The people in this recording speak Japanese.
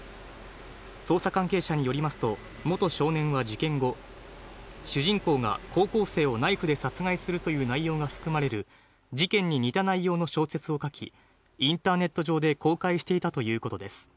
捜査関係者によりますと、元少年は事件後、主人公が高校生をナイフで殺害するという内容が含まれる事件に似た内容の小説を書き、インターネット上で公開していたということです。